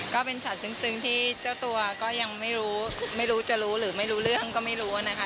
ก็เป็นช็อตซึ้งที่เจ้าตัวก็ยังไม่รู้ไม่รู้จะรู้หรือไม่รู้เรื่องก็ไม่รู้นะคะ